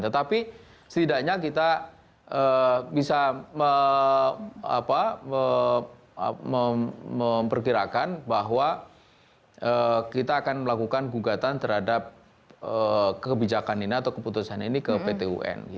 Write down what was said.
tetapi setidaknya kita bisa memperkirakan bahwa kita akan melakukan gugatan terhadap kebijakan ini atau keputusan ini ke pt un